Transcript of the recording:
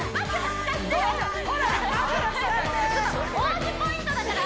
王子ポイントだから！